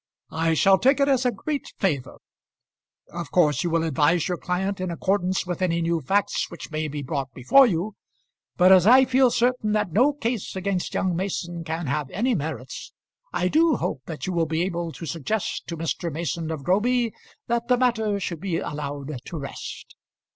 "I shall take it as a great favour. Of course you will advise your client in accordance with any new facts which may be brought before you; but as I feel certain that no case against young Mason can have any merits, I do hope that you will be able to suggest to Mr. Mason of Groby that the matter should be allowed to rest."